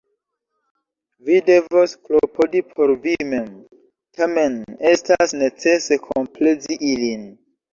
Vi devos klopodi por vi mem. Tamen estas necese komplezi ilin.